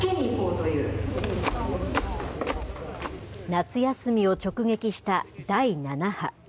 夏休みを直撃した第７波。